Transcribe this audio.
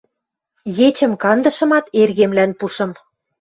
Ечӹм кандышымат, эргемлӓн пушым.